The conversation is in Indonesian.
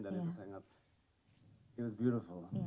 dan itu sangat it was beautiful